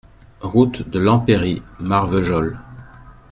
Route de l'Empéry, Marvejols